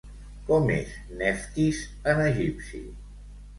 Com és Neftis en egipci?